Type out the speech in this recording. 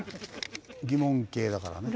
疑問形だからね。